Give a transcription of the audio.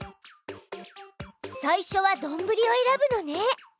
最初はどんぶりをえらぶのね！